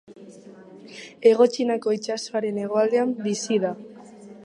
Hego Txinako itsasoaren hegoaldean bizi da.